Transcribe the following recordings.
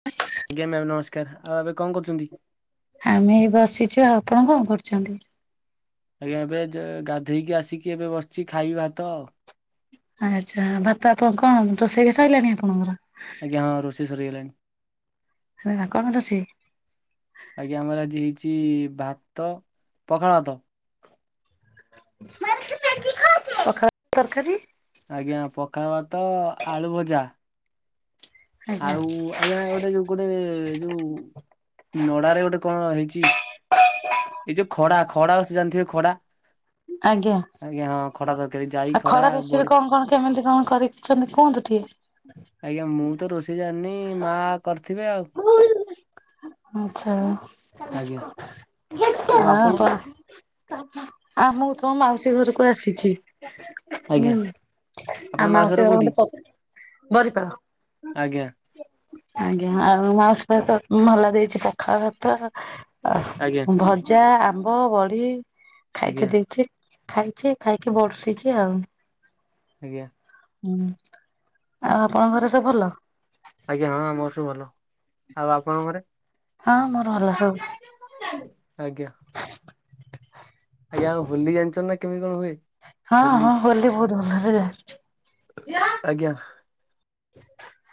[unintelligible] ଆଜ୍ଞା ମ୍ୟାମ ନମସ୍କାର ଆଉ ଆବେ କଁ କରୁଚନ୍ତି। ଆମେ ଏଇ ବସିଛୁ ଆଉ ଆପଣ କଁ କରୁଛନ୍ତି। ଆଜ୍ଞା ଏବେ ଜ ଗାଧେଇକି ଆସିକି ଏବେ ବସିଛି ଖାଇବି ଭାତ ଆଉ। ଆଚ୍ଛା ଭାତ ଆପଣ କଣ ରୋଷେଇକ ସାରିଲାଣି ଆପଣଙ୍କର। ଆଜ୍ଞା ହଁ ରୋଷେଇ ସରିଗଲାଣି। [unintelligible] କଣ ରୋଷେଇ। ଆଜ୍ଞ ଆମର ଆଜି ହେଇଚି ଭାତ ପଖାଳ ଭାତ। [unintelligible] ଆଜ୍ଞା ପଖାଳ ଭାତ ଆଳୁ ଭଜା। ଆଜ୍ଞା ଆଉ ଆଜ୍ଞା ଗୋଟେ ଯୋଉ ଗୋଟେ ଯୋଉ ନଡାରେ ଗୋଟେ କଣ ହେଇଚି ଏଇ ଯୋଉ ଖଡା ଖଡା [unintelligible] ଜାଣିଥିବେ ଖଡା। ଆଜ୍ଞା। ଆଜ୍ଞା ହଁ ଖଡା ତରକାରୀ ଜାଇ ଆଉ ଖଡା ଖରା ରେସିପି ବଡି କଣ କଣ କେମିତି କଣ କରିଛନ୍ତି କୁହନ୍ତୁ ଟିକେ? ଆଜ୍ଞା ମୁଁ ବି ତ ରୋଷେଇ ଜାନି ମା କରିଥିବେ ଆଉ। ଆଛା ଆଜ୍ଞା ଆଉ ଆପଣ ଆ ଆମକୁ ତମ ମାଉସୀ ଘରକୁ ଆସିଛି ହୁଁ। ଆଜ୍ଞା ଆଉ ମାଉସୀ ଘର ମତେ ପ ବରିପଳ। ଆଜ୍ଞା। ଆଜ୍ଞା ଆଉ ମାଉସ ଭାତ ଭଲ ଦେଇଛି ପଖାଳ ଭାତ, ଆ ଆଜ୍ଞା ଭ ଜା, ଆମ୍ବ, ବଡି ଖାଇତେ ଆଜ୍ଞା ଦେଇଛି ଖାଇଛି ଖାଇକି ବର୍ଷିଛି ଆଉ। ଆଜ୍ଞା। ହୁଁ ଆଉ ଆପଣଙ୍କ ଘରେ ସବୁ ଭଲ? ଆଜ୍ଞା ହଁ ଆମର ସବୁ ଭଲ। ଆଉ ଆପଣଙ୍କ ଘରେ? ହଁ ମୋର ଭଲ ସବୁ। ଆଜ୍ଞା। ଆଜ୍ଞା ହୋଲି ଜାଣିଚ ନା କେମିତି କଣ ହୁଏ ହଁ ହୋଲି? ହଁ ବହୁତ ଭଲରେ ଯାଇଛି। ଆଜ୍ଞା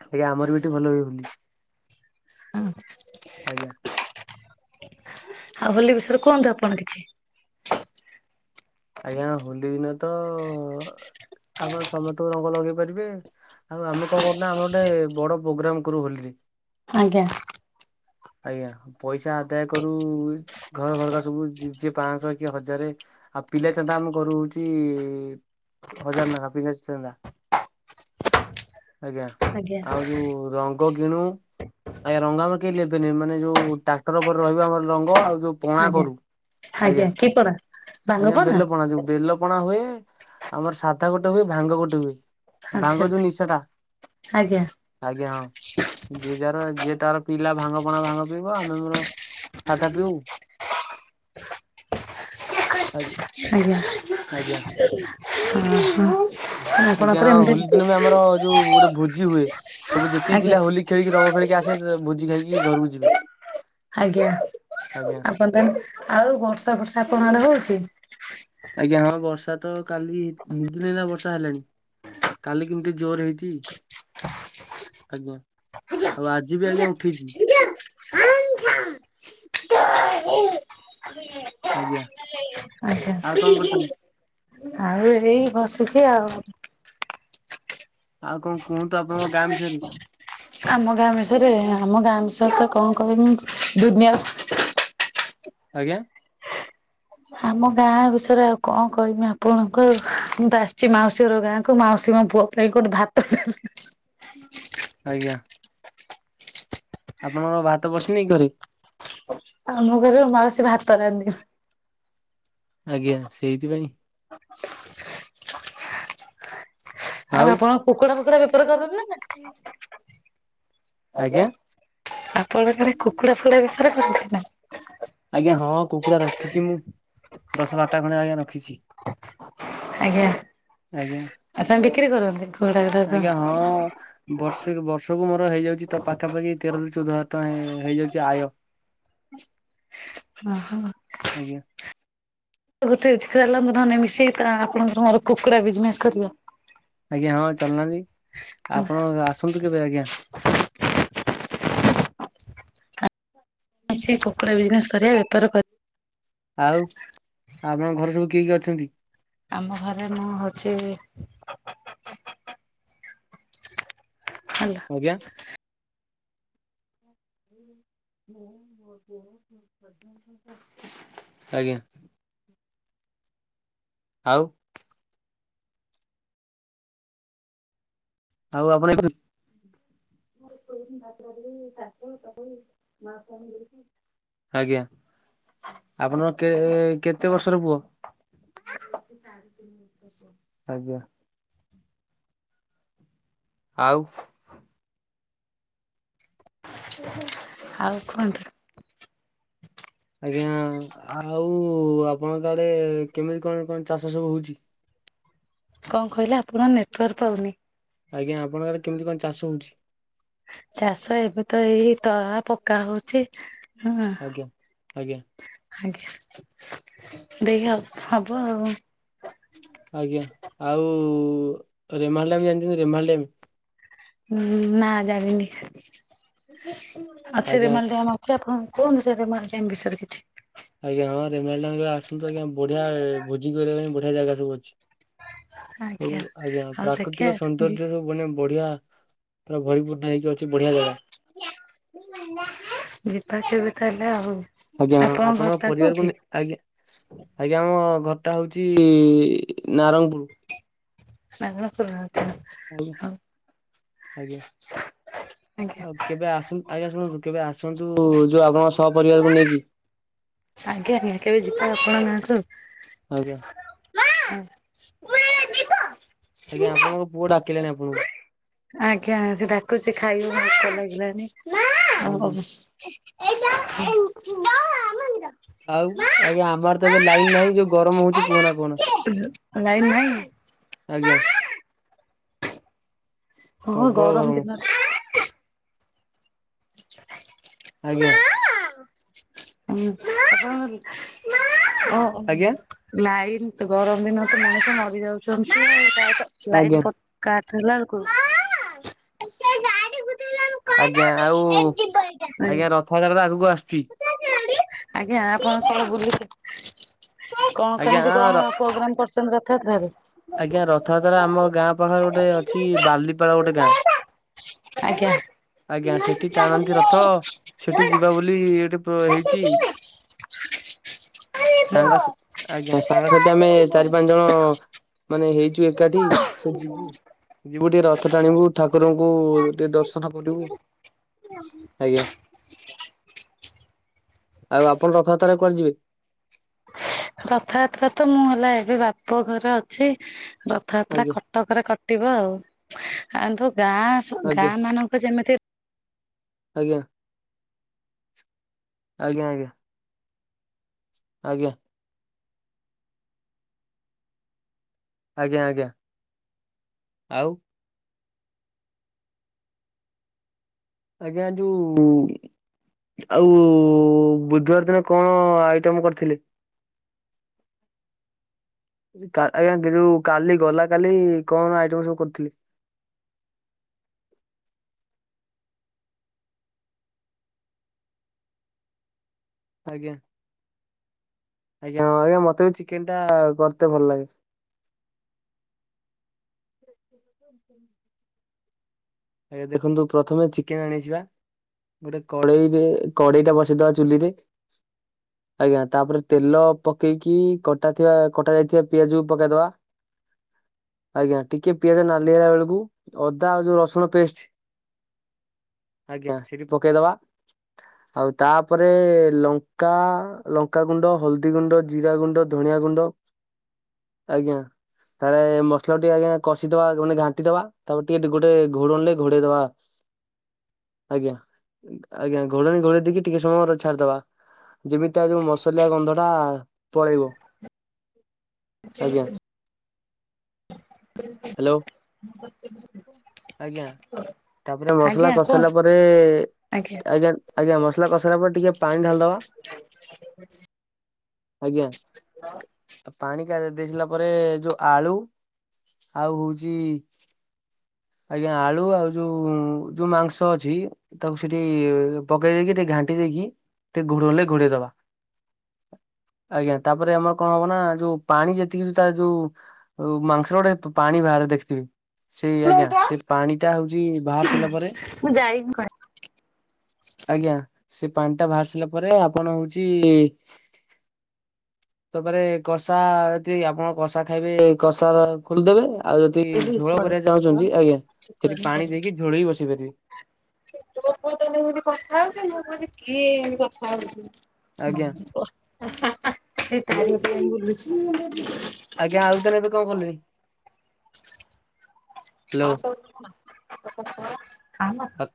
ଆଜ୍ଞା ଆମର ବି ଏଠି ଭଲ ହୁଏ ହୋଲି। ହଁ ଆଜ୍ଞା ଆଉ ହୋଲି ବିଷୟରେ କୁହନ୍ତୁ ଆପଣ କିଛି। ଆଜ୍ଞା ହୋଲି ଦିନ ତ ଆପଣ ସମସ୍ତଙ୍କୁ ରଙ୍ଗ ଲଗେଇ ପାରିବେ। ଆଉ ଆମେ କଣ କରୁନା ଆମର ଗୋଟେ ବଡ ପ୍ରୋଗ୍ରାମ୍ କରୁ ହୋଲିରେ। ଆଜ୍ଞା। ଆଜ୍ଞା ପଇସା ଆଦାୟ କରୁ ଘର ଘରକା ସବୁ ଯି ଯିଏ ପାଁଶ କିଏ ହଜାରେ। ଆଉ ପିଲା ଚାନ୍ଦା ଆମ କରୁ ଚି ହଜାର ନେଖା ପିଲାଚାନ୍ଦା। ଆଜ୍ଞା ଆଜ୍ଞା ଆଉ ଯୋଉ ରଙ୍ଗ କିଣୁ ଆଜ୍ଞା ରଙ୍ଗ ଆମର କେ ମାନେ ଯୋଉ ଟାଙ୍କର ଉପରେ ରହିବ ଆମର ରଙ୍ଗ ଆଉ ଯଉ ପେଣା ଆଜ୍ଞା କରୁ ଆଜ୍ଞା କି ପଣା? ଆଜ୍ଞା ବେଲ ପଣା ଯଉ ବେଲ ପଣା ହୁଏ ଆମର ସାଧା ଗୋଟେ ହୁଏ ଭାଙ୍ଗ ଗୋଟେ ହୁଏ। ଆଚ୍ଛା ବାଙ୍ଗ ଯଉ ନିଶାଟା। ଆଜ୍ଞା ଆଜ୍ଞା ହଁ ଯିଏ ଯାର ଯିଏ ତାର ପିଲା ଭାଙ୍ଗ ପଣା ଭାଙ୍ଗ ପିଇବ ଆମେ ଆମର ସାଧା ପିଉ। ଆଗି‌ ଆଜ୍ଞା ହଁ ହୋଲି [unintelligible] ଦିନ ଆମର ଯୋଉ ଗୋଟେ ଭୋଜି ହୁଏ ସବୁ ଯେତିକି ଆଜ୍ଞା ପିଲା ହୋଲି ଖେଳିକି ରଙ୍ଗ ଖେଳିକି ଆସେ ଭୋଜି ଖାଇକି କି ଘରକୁ ଯିବେ। ଆଜ୍ଞା ଆଜ୍ଞା। ଆପଣ ତାହଲେ ଆଉ ବର୍ଷା ଫର୍ଷା ଆପଣଙ୍କ ଆଡେ ହଉଚି? ଆଜ୍ଞା ହଁ ବର୍ଷା ତ କାଲିି ନ ଦିଦିନି ହେଲା ବର୍ଷା ହେଲାଣି। କାଲି କେମିତି ଜୋର୍ ରେ ହେଇଚି। ଆଜ୍ଞା ଆଉ ଆଜି ବି ଆଜ୍ଞା ଉଠି [inaudible] ଆଜ୍ଞା ଆଉ କଣ କରୁଚନ୍ତି? ଆ ହେଇ ବସିଚି ଆଉ। ଆଉ କଣ କୁହନ୍ତୁ ଆପଣଙ୍କ ଗାଁ ବିଷୟରେ? ଆମ ଗାଁ ବିଷୟରେ ଆମ ଗାଁ ବିଷୟରେ ତ କଣ କହିବି ଦୁନିଆରେ ଆଜ୍ଞା। ଆମ ଗାଁ ବିଷୟରେ ଆଉ କଣ କହିବି ଆପଣଙ୍କ ମୁଁ ତ ଆସିଚି ମାଉସୀ ହର ଗାଁକୁ ମାଉସୀ ଙ୍କ ପୁଅ। [unintelligible] [inaudible] ଆଜ୍ଞା। ଆପଣଙ୍କର ଭାତ ବସିନି କି ଘରେ? ଆମ ଘରେ ମାଉସୀ ଭାତ ରାନ୍ଧିବ। ଆଜ୍ଞା ସେଇଥିପାଇଁ [inaudible] ଆଉ ଆପଣ କୁକୁଡା ଫୁକୁଡା ବେପାର କରିନ୍ତି ନା ନାହିଁ? ଆଜ୍ଞା ଆପଣ ଆଡେ କୁକୁଡା ଫୁକୁଡା ବେପାର କରନ୍ତି ନା? ଆଜ୍ଞା ହଁ କୁକୁଡ଼ା ରଖିଚି ମୁଁ ଦଶ ବାରଟା ଖଣ୍ଡେ ଆଜ୍ଞା ରଖିଚି। ଆଜ୍ଞା ଆଜ୍ଞା ଆଉ ତମେ ବିକ୍ରି କରନ୍ତି। ଘୋଡ଼ା ଗୁଡାକ ଆଜ୍ଞା ହଁ ବର୍ଷେକୁ ବର୍ଷକୁ ମୋର୍ ହେଇଯାଉଚି ତ ପାଖାପାଖି ତେରରୁ ଚଉଦ ହଜାର ଟଙ୍କା ହେଇଯାଉଚି ଆୟ। ଓହୋ। ଆଜ୍ଞା। ଗୋଟେ ଏକ୍ତଳାନ ନହେଲେ ମିସେଇକି ଆପଣଙ୍କର ମୋର କୁକୁଡ଼ା ବିଜ୍ନେସ୍ କରିବା। ଆଜ୍ଞା ହଁ ଚାଲୁନାହାନ୍ତି ଆପଣ ଆସନ୍ତୁ କେବେ ଆଜ୍ଞା। ଆ ସେ କୁକୁଡ଼ା ବିଜନେସ କରିବା ବେପାର କରି ଆଉ ଆପଣଙ୍କ ଘର ସବୁ କିଏ କିଏ ଅଛନ୍ତି? ଆମ ଘରେ ମୁଁ ହଉଛି ହାଲୋ। ଆଜ୍ଞା। [inaudible] ଆଜ୍ଞା। ଆଉ। ଆଉ ଆପଣ ଆଜ୍ଞା। ଆପଣଙ୍କର କେ କେତେ ବର୍ଷର ପୁଅ? ଆଜ୍ଞା। ଆଉ। ଆଉ କୁହନ୍ତୁ। ଆଜ୍ଞା ଆଉ ଆପଣଙ୍କ ଆଡେ କେମିତି କଣ କଣ ଚାଷ ସବୁ ହଉଛି? [inaudible] କଣ କହିଲେ ଆପଣଙ୍କ ନେଟୱାର୍କ ପାଉନି। ଆଜ୍ଞା ଆପଣଙ୍କ ଆଡେ କେମିତି କଣ ଚାଷ ହଉଛି। ଚାଷ ଏବେ ତ ଏଇ ତଳା ପକା ହଉଚି ହଁ। ଆଜ୍ଞା ଆଜ୍ଞା ଆଜ୍ଞା ଦେଇହ ହବ ଆଉ। ଆଜ୍ଞା ଆଉ ରେମାଲ ଡାମ ଜାଣିଛନ୍ତି ରେମାମ ଡ୍ୟାମ। ହଁ ନା ଜାଣିନି ଅଛି ଆଜ୍ଞା ରେମାଲ ଡ୍ୟାମ ଅ ଅଛି ଆପଣଙ୍କ କୁହନ୍ତୁ ସେ ରେମାଲ ଡ୍ୟାମ ବିଷୟରେ କିଛି। ଆଜ୍ଞା ହଁ ରେମାଲ ଡ୍ୟାମ ଆସନ୍ତୁ ଆଜ୍ଞା ବଢିଆ ଭୋଜି କରିବା ପାଇଁ ବଢିଆ ଜାଗା ସବୁ ଅଛି। ହ ଆଜ୍ଞା ଆଉ ପ୍ରାକୃତିକ ଦେଖିବା ସୌନ୍ଦର୍ଯ୍ୟ ସବୁ ମାନେ ବଢିଆ ପୁରା ଭରିପୂର୍ଣ୍ଣ ହେଇକି ଅଛି ବଢିଆ ଜାଗା। ଯିବା କେବେ ତାହେଲେ ଆଉ। ଆଜ୍ଞା ଆପଣଙ୍କ ଘରଟା ପରିବାରକୁ କୋଉଠି? ନେଇ ଆଜ୍ଞା। ଆଜ୍ଞା ଆମ ଘରଟା ହଉଛି ନାରଙ୍ଗପୁର। ନାରଙ୍ଗପୁର ଆଛା। ହଉ ଆଜ୍ଞା ଆଜ୍ଞା ଆଉ। କେବେ ଆସୁ ଆଜ୍ଞା ଶୁଣନ୍ତୁ କେବେ ଆସନ୍ତୁ ଯୋଉ ଆପଣଙ୍କ ସହ ପରିବାରକୁ ନେଇକି। ଆଜ୍ଞା ଆଜ୍ଞା କେବେ ଯିବା ଆପଣ ଆଜ୍ଞା। ଗାଁକୁ ଆଉ। [inaudible] ଆଜ୍ଞା ଆପଣଙ୍କ ପୁଅ ଡାକିଲାଣି ଆପଣଙ୍କୁ। ଆଜ୍ଞା ସେ ଡାକୁଛି ଖାଇବାକୁ ଭୋକ ଲାଗିଲାଣି। ଆଜ୍ଞା। [inaudible] ଆଉ ଆଜ୍ଞା ଆମଆଡେ ତ ଏବେ ଲାଇନ ନାହିଁ ଯୋଉ ଗରମ ହଉଛି କୁହନା କୁହନା। ଲାଇନ ନାହିଁ? ଆଜ୍ଞା। ହଁ ଗରମ ଦିନରେ [inaudible] ହଁ ଓ ଆଜ୍ଞା [unintelligible] ଆଜ୍ଞା ଲାଇନ୍ ତ ଗରମ ଦିନ ତ ମଣିଷ ମରି ଯାଉଛନ୍ତି। ଲାଇନ୍ ଆଜ୍ଞା କାଟ୍ ହେଲା ବେଳକୁ ସେ ଗାଡି ଗୁଟେଇଲା ମୁଁ ଆଜ୍ଞା କହିଦେବି ଆଉ ଏଠି ଯିବ ଏଇଟା। ଆଜ୍ଞା ରଥଯାତାରଟା ଆଗକୁ ଆସୁଛି। ଆଜ୍ଞା ଆପଣ କଣ ବୁଝୁ କଣ ଆଜ୍ଞା କେମିତି ର କଣ ପ୍ରୋଗ୍ରାମ କରଛନ୍ତି ରଥଯାତ୍ରାରେ? ଆଜ୍ଞା ରଥଯାତ୍ରା ଆମ ଗାଁ ପାଖରେ ଗୋଟେ ଅଛି ବାଲିପାଳ ଗୋଟେ ଗାଁ ଆଜ୍ଞା। ଆଜ୍ଞା ସେଠି ଟାଣନ୍ତି ରଥ ସେଠି ଯିବା ବୋଲି ଏଠି ହଁ ହେଇଛି। ସାଙ୍ଗସାଥି ଆଜ୍ଞା ସାଙ୍ଗସାଥି ଆମେ ଚାରି ପାଞ୍ଚ ଜଣ ମାନେ ହେଇଛୁ ଏକାଠି ସେ ଯିବୁ ଯିବୁ ଟିକେ ରଥ ଟାଣିବୁ ଠାକୁରଙ୍କୁ ଟିକେ ଦର୍ଶ [unintelligible] ରଥଯାତ୍ରା ଆଜ୍ଞା। ଆଉ ଆପଣ ରଥଯାତ୍ରାରେ କୁଆଡେ ଯିବେ? ରଥଯାତ୍ରା ତ ମୁଁ ହେଲା ଏବେ ବାପ ଘରେ ଅଛି ରଥଯାତ୍ରା କ ଆଜ୍ଞା କଟକରେ କଟିବ ଆଉ ଆନ୍ତୁ ଗାଁ ଆଜ୍ଞା ଗାଁ ମାନଙ୍କ ଯେମିତି ଆଜ୍ଞା। ଆଜ୍ଞା ଆଜ୍ଞା। ଆଜ୍ଞା। ଆଜ୍ଞା ଆଜ୍ଞା ଆଉ ଆଜ୍ଞା ଯୋଉ ଆଉ ବୁଧବାର ଦିନ କଣ ଆଇଟମ୍ କରିଥିଲେ? ଆଜ୍ଞା ଯୋଉ କାଲି ଗଲା କାଲି କଣ ଆଇଟମ୍ ସବୁ କରିୁଥିଲି? ଆଜ୍ଞା ଆଜ୍ଞା ହଁ ମତେ ବି ଚିକେନ ଟା କରତେ ଭଲ ଲାଗେ। ଆଜ୍ଞା ଦେଖନ୍ତୁ ପ୍ରଥମେ ଚିକେନ୍ ଆଣିଛି ବା ଗୋଟେ କଡେଇରେ କଡେଇ ଟା ବସେଇଦବା ଚୁଲିରେ। ଆଜ୍ଞା ତାପରେ ତେଲ ପକେଇକି କଟାଥିବା କଟା ଯାଇଥିବା ପିଆଜକୁ ପକେଇଦବା। ଆଜ୍ଞା ଟିକେ ପିଆଜ ନାଲି ହେଲା ବେଳକୁ ଅଦା ଆଉ ଯୋଉ ରସୁଣ ପେଷ୍ଟ ଆଜ୍ଞା ସେଠି ପକେଇଦବା। ଆଉ ତାପରେ ଲଙ୍କା ଲଙ୍କାଗୁଣ୍ଡ, ହଳଦୀ ଗୁଣ୍ଡ, ଜିରା ଗୁଣ୍ଡ, ଧଣିଆ ଗୁଣ୍ଡ ଆଜ୍ଞା। ତାପରେ ମସଲା ଟିକେ ଆଜ୍ଞା କଷିଦବା ମାନେ ଘାଣ୍ଟି ଦବା ତାପରେ ଟିକେ ଗୋଟେ ଘୋଡ଼ଣି ଲେ ଘୋଡ଼େଇଦବା। ଆଜ୍ଞା ଆଜ୍ଞା ଘୋଡ଼ଣି ଘୋଡ଼େ ଦେଇକି ଟିକେ ସମୟର ଛାଡିଦବା ଯେମିତି ତା ଯୋଉ ମସଲଆ ଗନ୍ଧ ଟା ପଳେଇବ ଆଜ୍ଞା। ହ୍ୟାଲୋ। [unintelligible] ଆଜ୍ଞା ତାପରେ ମସଲା ଆଜ୍ଞା କସିସାଇଲା କୁହନ୍ତୁ ପରେ ଆଜ୍ଞା ଆଜ୍ଞା ମସଲା କଷିସାରିଲା ପରେ ଟିକେ ପାଣି ଢାଲିଦବା। ଆଜ୍ଞା ହଁ। ପାଣି କାଢି ଦେଇସାରିଲା ପରେ ଯୋଉ ଆଳୁ ଆଉ ହଉଛି ଆଜ୍ଞା ଆଳୁ ଆଉ ଯୋଉ ଯୋଉ ମାଂସ ଅଛି ତାକୁ ସେଠି ପକେଇ ଦେଇକି ଟିକେ ଘାଣ୍ଟି ଦେଇକି ଟିକେ ଘୋଡ଼େଇ ଦବ। ଆଜ୍ଞା ତାପରେ ଆମର କଣ ହବ ନା ଯୋଉ ପାଣି ଯେତିକି ତା ଯୋଉ ଆଉ ମାଂସର ଗୋଟେ ପାଣି ବାହାରେ ଦେଖିଥିବେ। ସେଇ ଆଜ୍ଞା ସେ ପାଣି ଟା ହଉଛି ବାହାରି ସାରିଲା ପରେ ମୁଁ ଯାଇନି ଆଜ୍ଞା ସେ ପାଣି ଟା ବାହାରି ସାରିଲା ପରେ ଆପଣ ହଉଛି ତାପରେ କଷା ଯଦି ଆପଣ କଷା ଖାଇବେ କଷା ଖୋଲିଦେବେ। ଆଉ ଯଦି ଝୋଳ କରିବାକୁ ଚାହୁଁଛନ୍ତି ଆଜ୍ଞା ସେଠି ପାଣି ଦେଇକି ଝୋଳ ବି ବସେଇ ପାରିବେ। ତୋ ପୁଅ ତାହେଲେ କଥା ହଉଛି। ମୁଁ କହୁଛି କିଏ କଥା ଆଜ୍ଞା ହଉଛି? ସେ ଆଜ୍ଞା ଥାଲି ଧରି ବୁଲୁଛି। ଆଜ୍ଞା ଆଉ ତାହେଲେ ଏବେ କଣ କଲେଣି? ଆଉ ହ୍ୟାଲୋ। ସବୁ ଭଲ। [unintelligible]